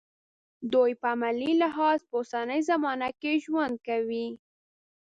دوی په عملي لحاظ په اوسنۍ زمانه کې ژوند کوي.